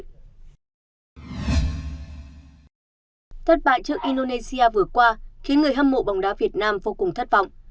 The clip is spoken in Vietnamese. thất bại trước indonesia vừa qua khiến người hâm mộ bóng đá việt nam vô cùng thất vọng